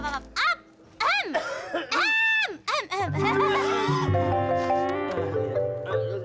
eh dia mati